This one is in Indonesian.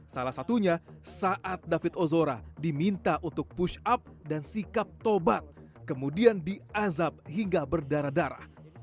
salah satunya saat david ozora diminta untuk push up dan sikap tobat kemudian diazab hingga berdarah darah